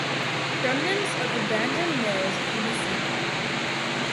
Remnants of abandoned mills can be seen.